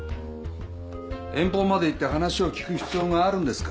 遠方まで行って話を聞く必要があるんですか？